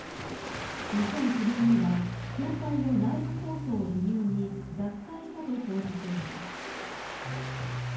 ２００９年には教会の内部抗争を理由に脱会したと報じています。